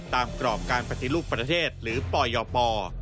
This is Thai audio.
ตามกรอบการสติลูกประเทศหรือปยภ